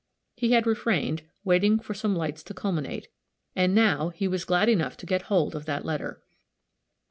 He had refrained, waiting for some lights to culminate, and "now, he was glad enough to get hold of that letter."